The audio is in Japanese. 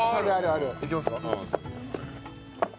いきますか？